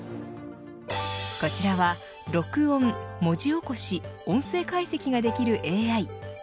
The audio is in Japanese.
こちらは録音文字起こし音声解析ができるＡＩ。